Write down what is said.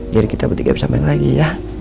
jadi kita berdua bisa main lagi ya